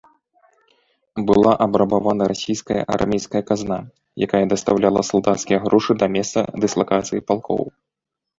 Была абрабавана расійская армейская казна, якая дастаўляла салдацкія грошы да месца дыслакацыі палкоў.